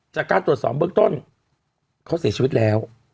จากการตรวจสอบเบื้องต้นเขาเสียชีวิตแล้ว